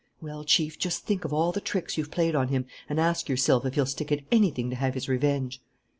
Well, Chief, just think of all the tricks you've played on him and ask yourself if he'll stick at anything to have his revenge!"